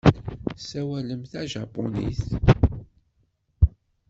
Ssawalent tajapunit.